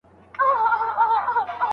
مور د ماشوم د خطر مخه نيسي.